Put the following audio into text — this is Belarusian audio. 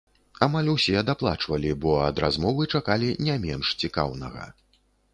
Амаль усе даплачвалі, бо ад размовы чакалі не менш цікаўнага.